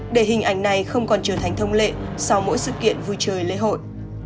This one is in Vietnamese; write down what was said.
để hình ảnh này không còn trở thành thông lệ sau mỗi sự kiện vui chơi lễ hội